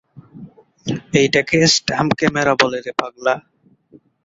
এটাকে stamp camera বলে।